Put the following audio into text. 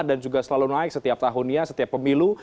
dan juga selalu naik setiap tahunnya setiap pemilu